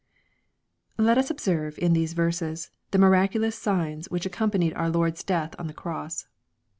Let us observe in these verses, the miracidous signs which accompanied our Lord's death on the cross.